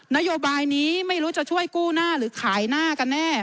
นโยบายนี้ไม่รู้จะช่วยกู้หน้าหรือขายหน้ากันแน่